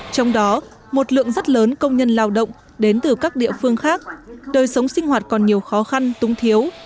trong đó một lượng rất lớn công nhân lao động đến từ các địa phương khác đời sống sinh hoạt còn nhiều khó khăn tung thiếu